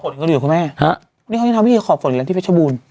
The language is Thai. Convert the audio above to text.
ก็ดูสิครับคุณแม่ฮะนี่เขายังทำวิธีขอบฝนอยู่แล้วที่เฟชบูน